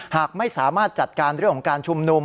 หากไม่สามารถจัดการเรื่องของการชุมนุม